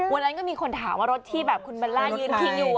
วันนั้นก็มีคนถามว่ารถที่แบบคุณเบลล่ายืนทิ้งอยู่